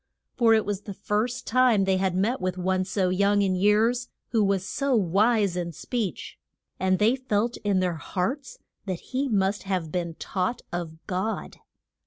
For it was the first time they had met with one so young in years who was so wise in speech, and they felt in their hearts that he must have been taught of God.